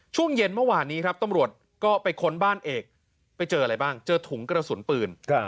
ช่วงเย็นเมื่อวานนี้ครับตำรวจก็ไปค้นบ้านเอกไปเจออะไรบ้างเจอถุงกระสุนปืน